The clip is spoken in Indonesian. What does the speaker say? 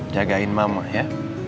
jagain mama ya